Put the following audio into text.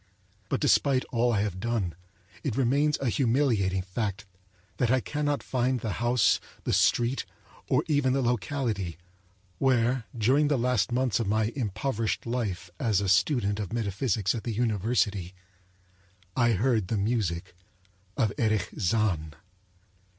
But despite all I have done, it remains an humiliating fact that I cannot find the house, the street, or even the locality, where, during the last months of my impoverished life as a student of metaphysics at the university, I heard the music of Erich Zann.